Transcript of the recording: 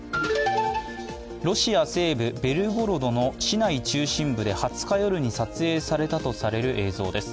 ロシア西部ベルゴロドの市内中心部で２０日深夜に撮影されたとされる映像です。